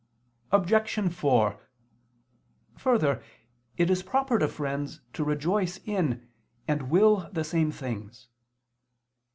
Obj. 4: Further, it is proper to friends to rejoice in, and will the same things.